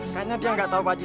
kayaknya dia nggak tahu pak jk